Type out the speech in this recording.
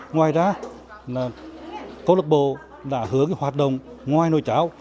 ngoài ra câu lạc bộ đã hướng hoạt động ngoài nồi cháo